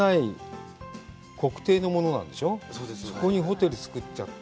そこにホテル造っちゃって。